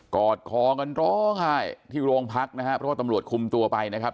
อดคอกันร้องไห้ที่โรงพักนะฮะเพราะว่าตำรวจคุมตัวไปนะครับ